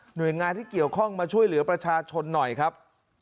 โดยงานที่เกี่ยวข้องมาช่วยเหลือประชาชนหน่อยครับ